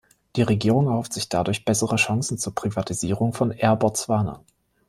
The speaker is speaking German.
Die Regierung erhofft sich dadurch bessere Chancen zur Privatisierung von Air Botswana.